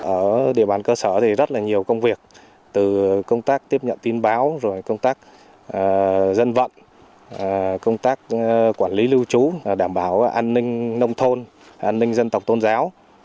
ở địa bàn cơ sở thì rất là nhiều công việc từ công tác tiếp nhận tin báo rồi công tác dân vận công tác quản lý lưu trú đảm bảo an ninh nông thôn an ninh dân tộc tôn giáo